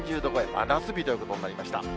真夏日ということになりました。